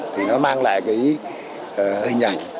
thì nó mang lại cái hình ảnh